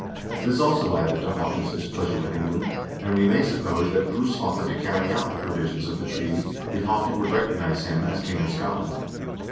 This also added to Haakon's displeasure with England, and we may suppose that Bruce offered to carry out the provisions of the treaty, if Haakon would recognize him as king of Scotland.